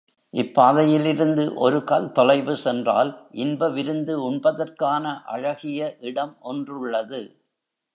இப்பாதையிலிருந்து ஒருகல் தொலைவு சென்றால் இன்ப விருந்து உண்பதற்கான அழகிய இடம் ஒன்றுள்ளது.